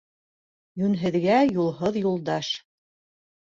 Йүнһеҙгә юлһыҙ юлдаш.